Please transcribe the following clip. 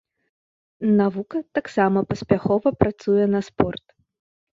Навука таксама паспяхова працуе на спорт.